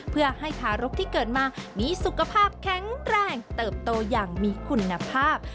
เพื่อให้ทารกที่เกิดมามีสุขภาพแข็งแรงเติบโตอย่างมีคุณภาพ